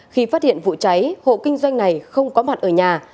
khi phát hiện vụ cháy hộ kinh doanh này không có mặt ở nhà